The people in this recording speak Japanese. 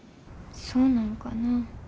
そうなんかなぁ。